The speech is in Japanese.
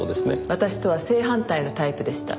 私とは正反対のタイプでした。